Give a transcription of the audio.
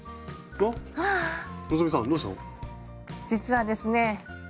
実はですね